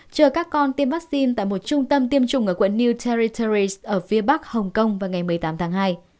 chờ các con tiêm vaccine tại một trung tâm tiêm chủng ở quận new territerres ở phía bắc hồng kông vào ngày một mươi tám tháng hai